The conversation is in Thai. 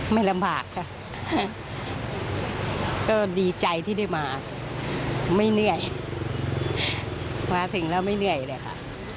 ไม่ลำบากค่ะก็ดีใจที่ได้มาไม่เหนื่อยมาถึงแล้วไม่เหนื่อยเลยค่ะ